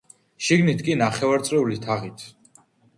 შიგნით კი ნახევარწრიული თაღით.